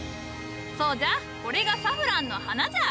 そうじゃこれがサフランの花じゃ。